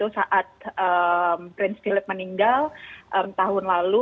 saat prince philip meninggal tahun lalu